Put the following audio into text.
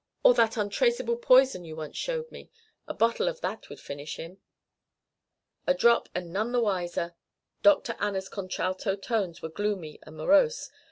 "Or that untraceable poison you once showed me. A bottle of that would finish him!" "A drop and none the wiser." Dr. Anna's contralto tones were gloomy and morose.